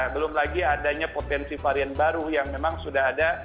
belum lagi adanya potensi varian baru yang memang sudah ada